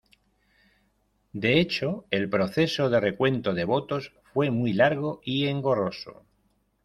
De hecho, el proceso de recuento de votos fue muy largo y engorroso.